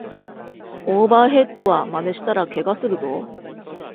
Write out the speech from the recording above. オーバーヘッドはまねしたらケガするぞ